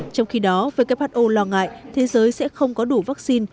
trong khi đó who lo ngại thế giới sẽ không có đủ vaccine